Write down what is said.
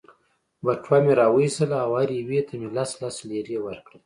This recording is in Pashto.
بټوه مې را وایستل او هرې یوې ته مې لس لس لیرې ورکړې.